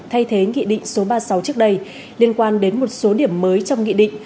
thay thế nghị định số ba mươi sáu trước đây liên quan đến một số điểm mới trong nghị định